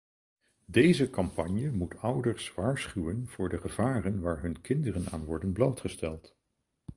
Deze campagne moet ouders waarschuwen voor de gevaren waar hun kinderen aan worden blootgesteld.